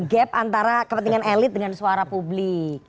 gap antara kepentingan elit dengan suara publik